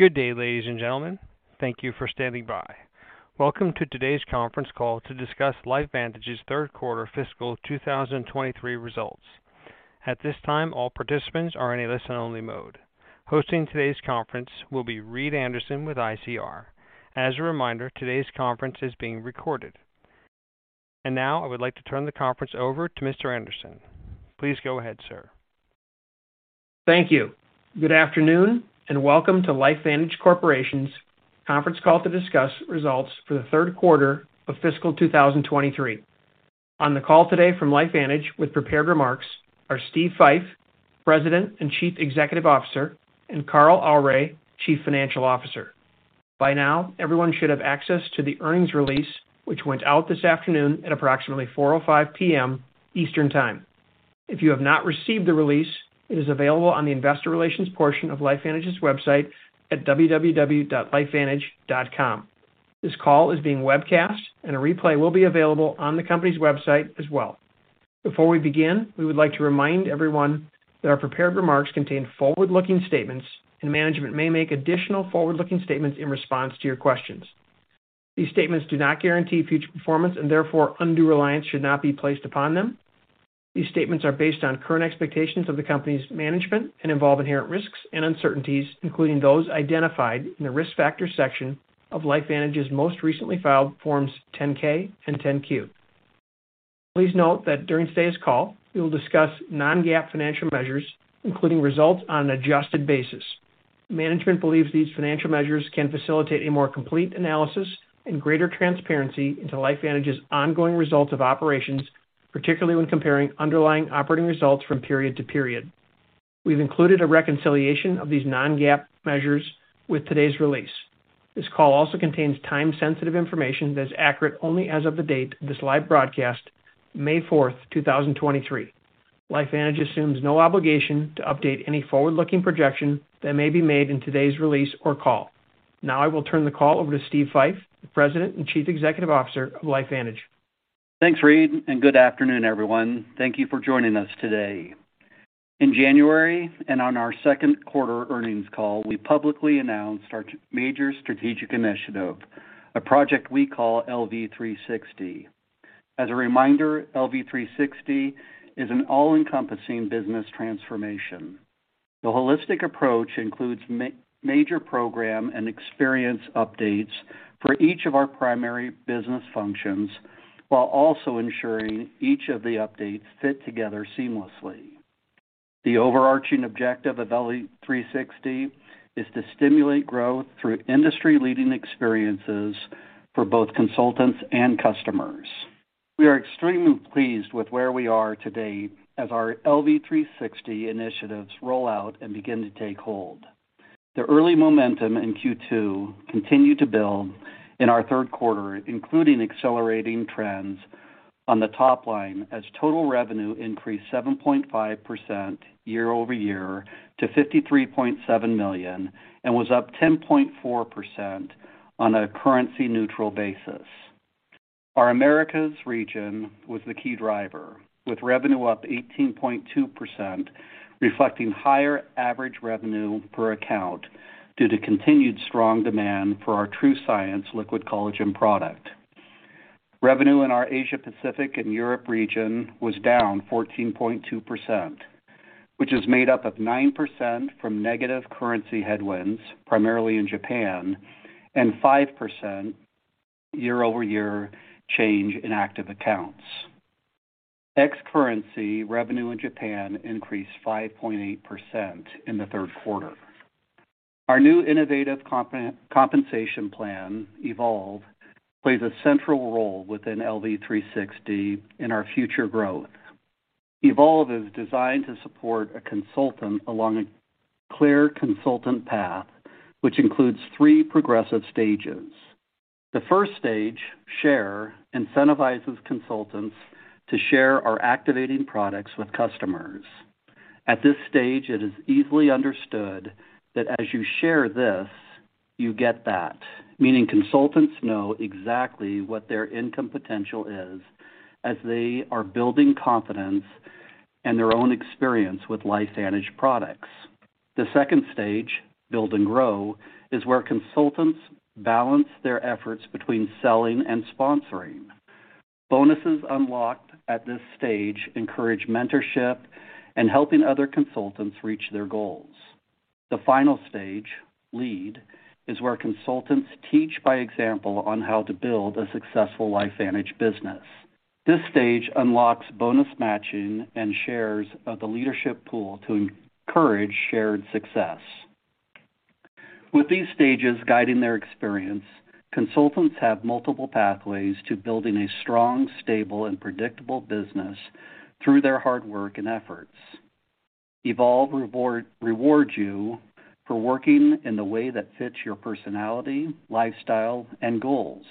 Good day, ladies and gentlemen. Thank you for standing by. Welcome to today's conference call to discuss LifeVantage's Third Quarter Fiscal 2023 Results. At this time, all participants are in a listen-only mode. Hosting today's conference will be Reed Anderson with ICR. As a reminder, today's conference is being recorded. Now, I would like to turn the conference over to Mr. Anderson. Please go ahead, sir. Thank you. Good afternoon, welcome to LifeVantage Corporation's conference call to discuss results for the third quarter of fiscal 2023. On the call today from LifeVantage with prepared remarks are Steve Fife, President and Chief Executive Officer, and Carl Aure, Chief Financial Officer. By now, everyone should have access to the earnings release, which went out this afternoon at approximately 4:05 P.M. Eastern Time. If you have not received the release, it is available on the investor relations portion of LifeVantage's website at www.lifevantage.com. This call is being webcast, a replay will be available on the company's website as well. Before we begin, we would like to remind everyone that our prepared remarks contain forward-looking statements, management may make additional forward-looking statements in response to your questions. These statements do not guarantee future performance, and therefore, undue reliance should not be placed upon them. These statements are based on current expectations of the company's management and involve inherent risks and uncertainties, including those identified in the Risk Factors section of LifeVantage's most recently filed Forms 10-K and 10-Q. Please note that during today's call, we will discuss non-GAAP financial measures, including results on an adjusted basis. Management believes these financial measures can facilitate a more complete analysis and greater transparency into LifeVantage's ongoing results of operations, particularly when comparing underlying operating results from period to period. We've included a reconciliation of these non-GAAP measures with today's release. This call also contains time-sensitive information that is accurate only as of the date of this live broadcast, May 4, 2023. LifeVantage assumes no obligation to update any forward-looking projection that may be made in today's release or call. I will turn the call over to Steve Fife, President and Chief Executive Officer of LifeVantage. Thanks, Reed. Good afternoon, everyone. Thank you for joining us today. In January and on our second quarter earnings call, we publicly announced our major strategic initiative, a project we call LV360. As a reminder, LV360 is an all-encompassing business transformation. The holistic approach includes major program and experience updates for each of our primary business functions while also ensuring each of the updates fit together seamlessly. The overarching objective of LV360 is to stimulate growth through industry-leading experiences for both consultants and customers. We are extremely pleased with where we are today as our LV360 initiatives roll out and begin to take hold. The early momentum in Q2 continued to build in our third quarter, including accelerating trends on the top line as total revenue increased 7.5% year-over-year to $53.7 million and was up 10.4% on a currency-neutral basis. Our Americas region was the key driver, with revenue up 18.2%, reflecting higher average revenue per account due to continued strong demand for our TrueScience Liquid Collagen product. Revenue in our Asia Pacific and Europe region was down 14.2%, which is made up of 9% from negative currency headwinds, primarily in Japan, and 5% year-over-year change in active accounts. Ex currency revenue in Japan increased 5.8% in the third quarter. Our new innovative compensation plan, Evolve, plays a central role within LV360 in our future growth. Evolve is designed to support a consultant along a clear consultant path, which includes three progressive stages. The first stage, Share, incentivizes consultants to share our activating products with customers. At this stage, it is easily understood that as you share this, you get that, meaning consultants know exactly what their income potential is as they are building confidence in their own experience with LifeVantage products. The second stage, Build & Grow, is where consultants balance their efforts between selling and sponsoring. Bonuses unlocked at this stage encourage mentorship and helping other consultants reach their goals. The final stage, Lead, is where consultants teach by example on how to build a successful LifeVantage business. This stage unlocks bonus matching and shares of the leadership pool to encourage shared success. With these stages guiding their experience, consultants have multiple pathways to building a strong, stable, and predictable business through their hard work and efforts. Evolve reward, rewards you for working in the way that fits your personality, lifestyle, and goals.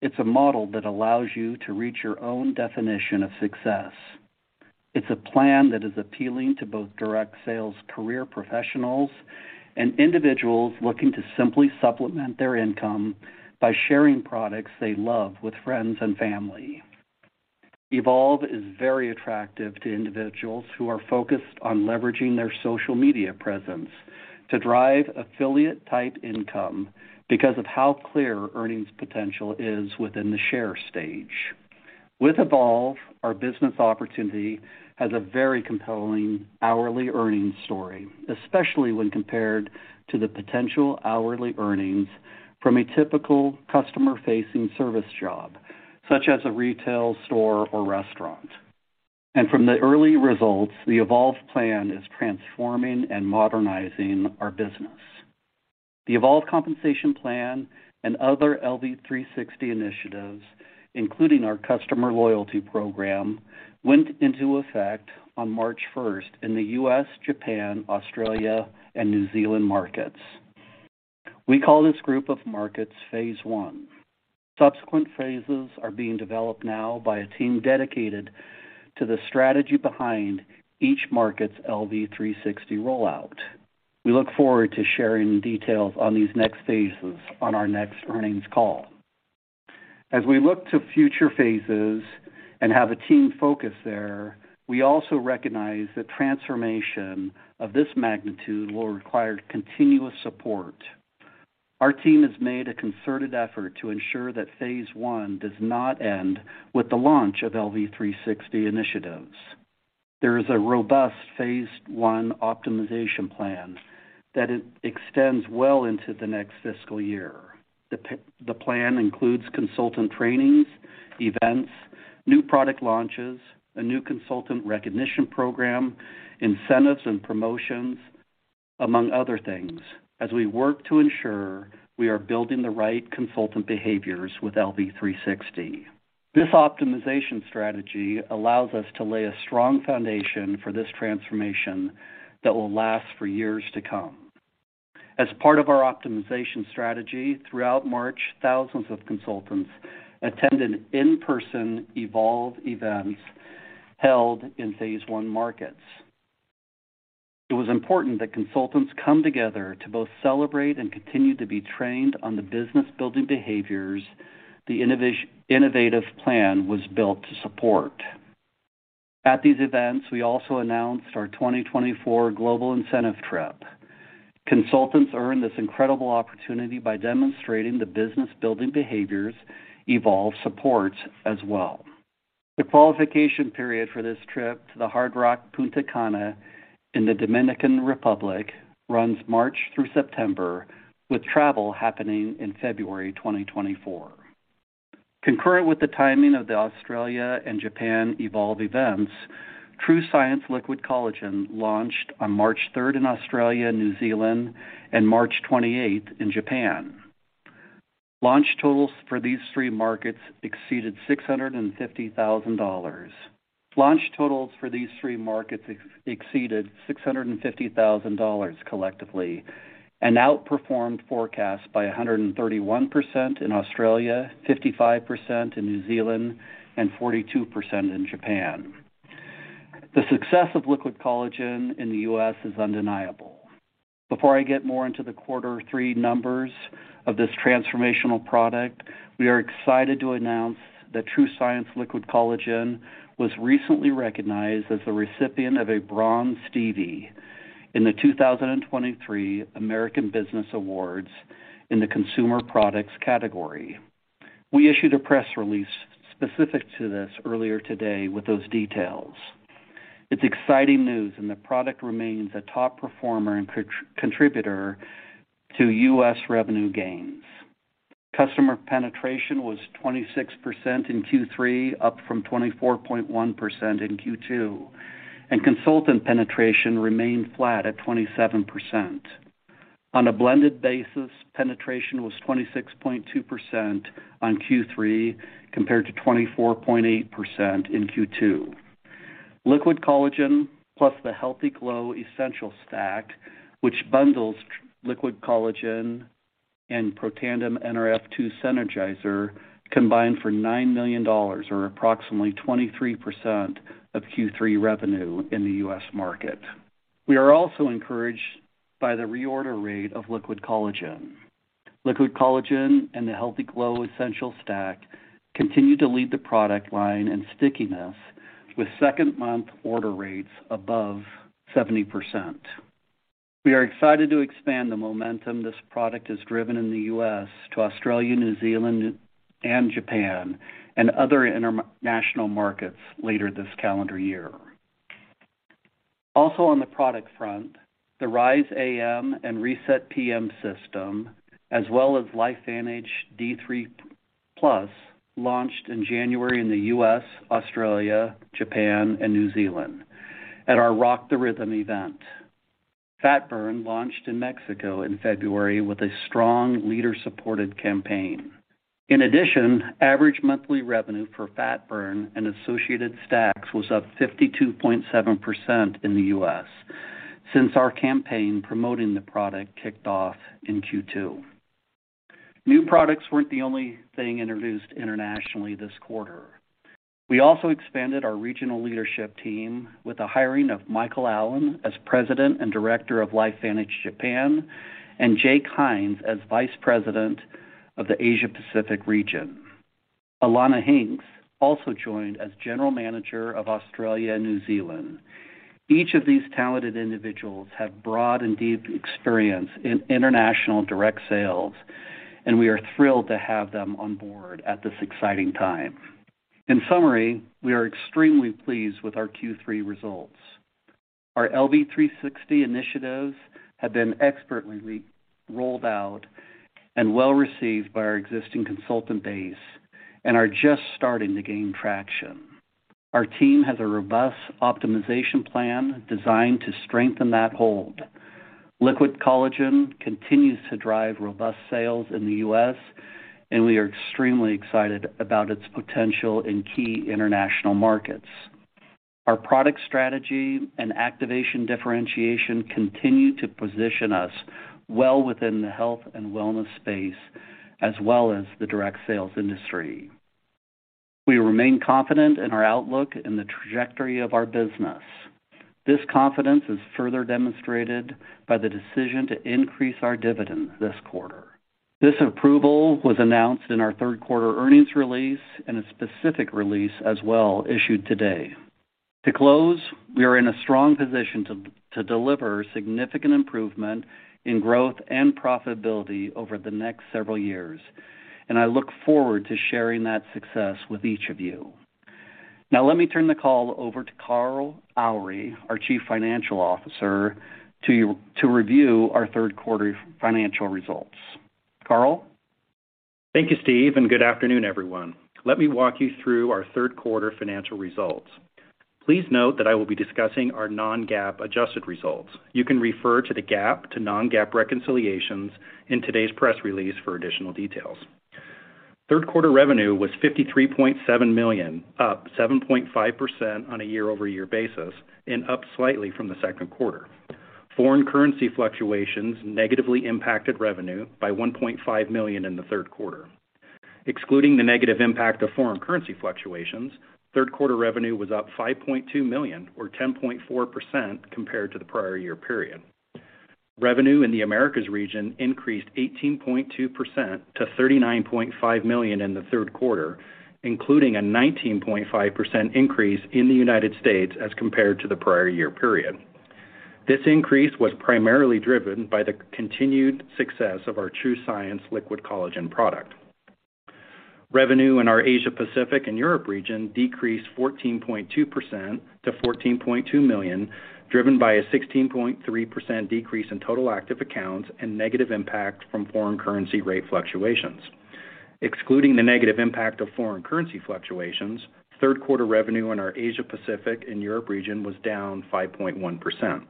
It's a model that allows you to reach your own definition of success. It's a plan that is appealing to both direct sales career professionals and individuals looking to simply supplement their income by sharing products they love with friends and family. Evolve is very attractive to individuals who are focused on leveraging their social media presence to drive affiliate type income because of how clear earnings potential is within the Share stage. With Evolve, our business opportunity has a very compelling hourly earnings story, especially when compared to the potential hourly earnings from a typical customer-facing service job, such as a retail store or restaurant. From the early results, the Evolve plan is transforming and modernizing our business. The Evolve compensation plan and other LV360 initiatives, including our customer loyalty program, went into effect on March 1st in the U.S., Japan, Australia, and New Zealand markets. We call this group of markets phase one. Subsequent phases are being developed now by a team dedicated to the strategy behind each market's LV360 rollout. We look forward to sharing details on these next phases on our next earnings call. We look to future phases and have a team focus there, we also recognize that transformation of this magnitude will require continuous support. Our team has made a concerted effort to ensure that phase one does not end with the launch of LV360 initiatives. There is a robust phase one optimization plan that extends well into the next fiscal year. The plan includes consultant trainings, events, new product launches, a new consultant recognition program, incentives, and promotions, among other things, as we work to ensure we are building the right consultant behaviors with LV360. This optimization strategy allows us to lay a strong foundation for this transformation that will last for years to come. As part of our optimization strategy, throughout March, thousands of consultants attended in-person Evolve events held in phase one markets. It was important that consultants come together to both celebrate and continue to be trained on the business-building behaviors the innovative plan was built to support. At these events, we also announced our 2024 global incentive trip. Consultants earn this incredible opportunity by demonstrating the business-building behaviors Evolve supports as well. The qualification period for this trip to the Hard Rock Punta Cana in the Dominican Republic runs March through September, with travel happening in February 2024. Concurrent with the timing of the Australia and Japan Evolve events, TrueScience Liquid Collagen launched on March 3rd in Australia and New Zealand and March 28th in Japan. Launch totals for these three markets exceeded $650,000 collectively and outperformed forecasts by 131% in Australia, 55% in New Zealand, and 42% in Japan. The success of Liquid Collagen in the U.S. is undeniable. Before I get more into the Q3 numbers of this transformational product, we are excited to announce that TrueScience Liquid Collagen was recently recognized as the recipient of a Bronze Stevie in the 2023 American Business Awards in the consumer products category. We issued a press release specific to this earlier today with those details. It's exciting news, and the product remains a top performer and contributor to U.S. revenue gains. Customer penetration was 26% in Q3, up from 24.1% in Q2, and consultant penetration remained flat at 27%. On a blended basis, penetration was 26.2% on Q3 compared to 24.8% in Q2. Liquid Collagen plus the Healthy Glow Essential Stack, which bundles Liquid Collagen and Protandim Nrf2 Synergizer, combined for $9 million, or approximately 23% of Q3 revenue in the U.S. market. We are also encouraged by the reorder rate of Liquid Collagen. Liquid Collagen and the Healthy Glow Essential Stack continue to lead the product line in stickiness with second-month order rates above 70%. We are excited to expand the momentum this product has driven in the U.S. to Australia, New Zealand, and Japan, and other international markets later this calendar year. On the product front, the Rise AM and Reset PM system, as well as LifeVantage D3+ launched in January in the U.S., Australia, Japan, and New Zealand at our Rock the Rhythm event. Fat Burn launched in Mexico in February with a strong leader-supported campaign. Average monthly revenue for Fat Burn and associated stacks was up 52.7% in the U.S. since our campaign promoting the product kicked off in Q2. New products weren't the only thing introduced internationally this quarter. We also expanded our regional leadership team with the hiring of Michael Allen as President and Director of LifeVantage Japan, and Jake Hines as Vice President of the Asia Pacific region. Allana Hinks also joined as General Manager of Australia and New Zealand. Each of these talented individuals have broad and deep experience in international direct sales, and we are thrilled to have them on board at this exciting time. In summary, we are extremely pleased with our Q3 results. Our LV360 initiatives have been expertly re-rolled out and well-received by our existing consultant base and are just starting to gain traction. Our team has a robust optimization plan designed to strengthen that hold. Liquid collagen continues to drive robust sales in the U.S., and we are extremely excited about its potential in key international markets. Our product strategy and activation differentiation continue to position us well within the health and wellness space, as well as the direct sales industry. We remain confident in our outlook and the trajectory of our business. This confidence is further demonstrated by the decision to increase our dividend this quarter. This approval was announced in our third quarter earnings release and a specific release as well issued today. To close, we are in a strong position to deliver significant improvement in growth and profitability over the next several years, and I look forward to sharing that success with each of you. Let me turn the call over to Carl Aure, our Chief Financial Officer, to review our third quarter financial results. Carl. Thank you, Steve. Good afternoon, everyone. Let me walk you through our third quarter financial results. Please note that I will be discussing our non-GAAP adjusted results. You can refer to the GAAP to non-GAAP reconciliations in today's press release for additional details. Third quarter revenue was $53.7 million, up 7.5% on a year-over-year basis and up slightly from the second quarter. Foreign currency fluctuations negatively impacted revenue by $1.5 million in the third quarter. Excluding the negative impact of foreign currency fluctuations, third quarter revenue was up $5.2 million or 10.4% compared to the prior year period. Revenue in the Americas region increased 18.2% to $39.5 million in the third quarter, including a 19.5% increase in the United States as compared to the prior year period. This increase was primarily driven by the continued success of our TrueScience Liquid Collagen product. Revenue in our Asia Pacific and Europe region decreased 14.2% to $14.2 million, driven by a 16.3% decrease in total active accounts and negative impact from foreign currency rate fluctuations. Excluding the negative impact of foreign currency fluctuations, third quarter revenue in our Asia Pacific and Europe region was down 5.1%.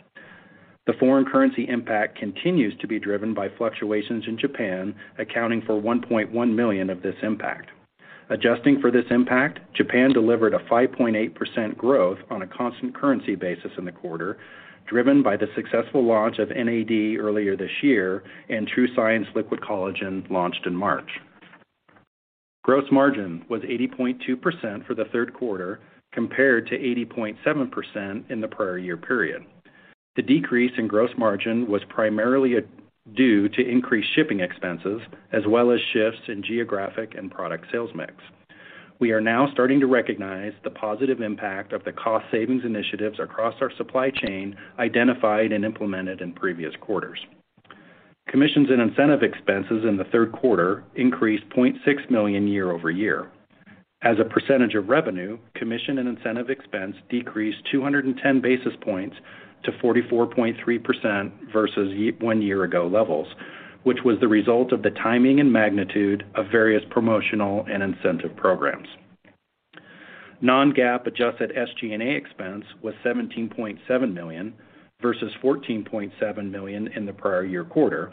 The foreign currency impact continues to be driven by fluctuations in Japan, accounting for $1.1 million of this impact. Adjusting for this impact, Japan delivered a 5.8% growth on a constant currency basis in the quarter, driven by the successful launch of NAD earlier this year and TrueScience Liquid Collagen launched in March. Gross margin was 80.2% for the third quarter compared to 80.7% in the prior year period. The decrease in gross margin was primarily due to increased shipping expenses as well as shifts in geographic and product sales mix. We are now starting to recognize the positive impact of the cost savings initiatives across our supply chain identified and implemented in previous quarters. Commissions and incentive expenses in the third quarter increased $0.6 million year-over-year. As a percentage of revenue, commission and incentive expense decreased 210 basis points to 44.3% versus one year ago levels, which was the result of the timing and magnitude of various promotional and incentive programs. Non-GAAP adjusted SG&A expense was $17.7 million versus $14.7 million in the prior year quarter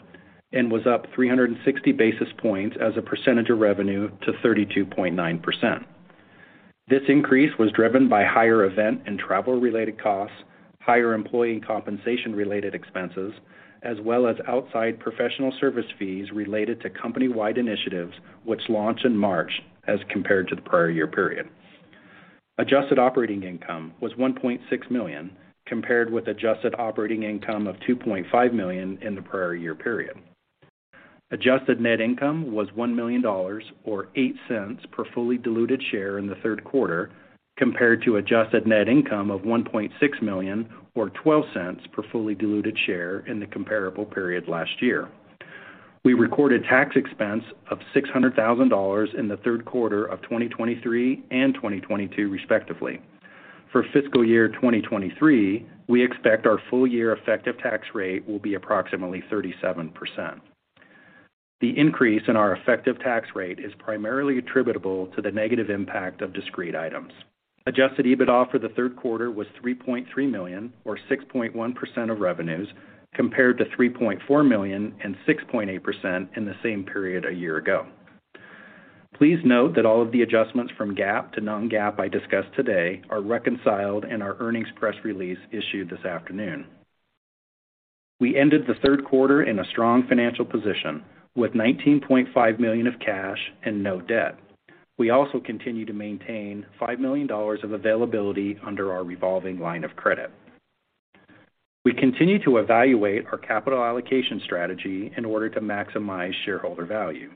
and was up 360 basis points as a percentage of revenue to 32.9%. This increase was driven by higher event and travel-related costs, higher employee compensation related expenses, as well as outside professional service fees related to company-wide initiatives which launched in March as compared to the prior year period. Adjusted Operating Income was $1.6 million compared with Adjusted Operating Income of $2.5 million in the prior year period. Adjusted Net Income was $1 million or $0.08 per fully diluted share in the third quarter compared to Adjusted Net Income of $1.6 million or $0.12 per fully diluted share in the comparable period last year. We recorded tax expense of $600,000 in the third quarter of 2023 and 2022 respectively. For fiscal year 2023, we expect our full year effective tax rate will be approximately 37%. The increase in our effective tax rate is primarily attributable to the negative impact of discrete items. Adjusted EBITDA for the third quarter was $3.3 million or 6.1% of revenues compared to $3.4 million and 6.8% in the same period a year ago. Please note that all of the adjustments from GAAP to non-GAAP I discussed today are reconciled in our earnings press release issued this afternoon. We ended the third quarter in a strong financial position with $19.5 million of cash and no debt. We also continue to maintain $5 million of availability under our revolving line of credit. We continue to evaluate our capital allocation strategy in order to maximize shareholder value.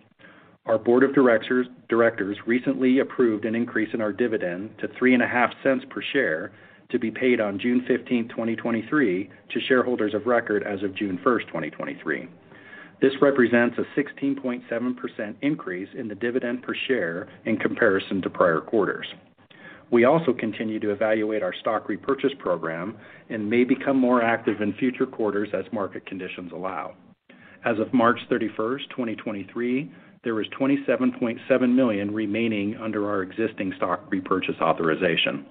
Our board of directors recently approved an increase in our dividend to $0.035 per share to be paid on June 15, 2023 to shareholders of record as of June 1, 2023. This represents a 16.7% increase in the dividend per share in comparison to prior quarters. We also continue to evaluate our stock repurchase program and may become more active in future quarters as market conditions allow. As of March 31, 2023, there was $27.7 million remaining under our existing stock repurchase authorization.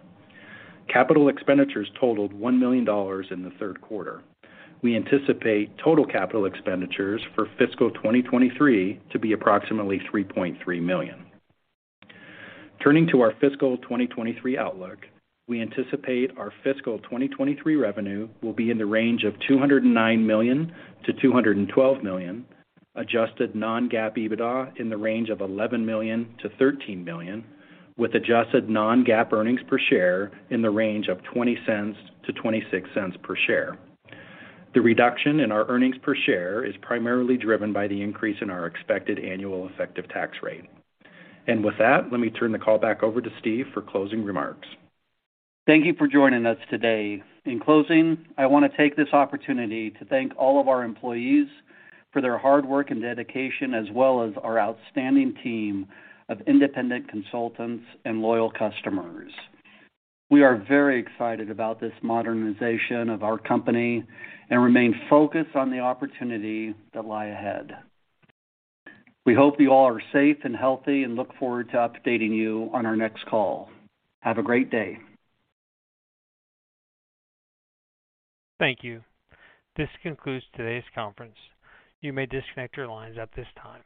Capital expenditures totaled $1 million in the third quarter. We anticipate total capital expenditures for fiscal 2023 to be approximately $3.3 million. Turning to our fiscal 2023 outlook, we anticipate our fiscal 2023 revenue will be in the range of $209 million-$212 million. Adjusted non-GAAP EBITDA in the range of $11 million-$13 million, with adjusted non-GAAP earnings per share in the range of $0.20-$0.26 per share. The reduction in our earnings per share is primarily driven by the increase in our expected annual effective tax rate. With that, let me turn the call back over to Steve for closing remarks. Thank you for joining us today. In closing, I want to take this opportunity to thank all of our employees for their hard work and dedication, as well as our outstanding team of independent consultants and loyal customers. We are very excited about this modernization of our company and remain focused on the opportunity that lie ahead. We hope you all are safe and healthy and look forward to updating you on our next call. Have a great day. Thank you. This concludes today's conference. You may disconnect your lines at this time.